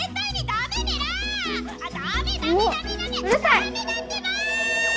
ダメだってば！